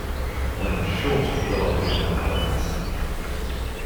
I'm sure to blow up in my lines.